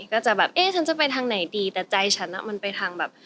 ก็จะแบบเอ๊ะฉันจะไปทางไหนดีแต่ใจฉันมันไปทางแบบ